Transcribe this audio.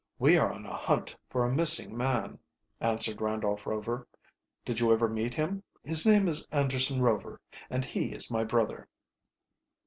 "We are on a hunt for a missing man," answered Randolph Rover. "Did you ever meet him? His name is Anderson Rover, and he is my brother."